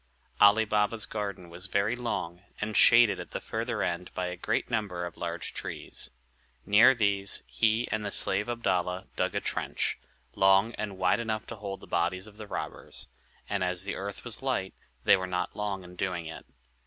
Ali Baba's garden was very long, and shaded at the further end by a great number of large trees. Near these he and the slave Abdalla dug a trench, long and wide enough to hold the bodies of the robbers; and as the earth was light, they were not long in doing it.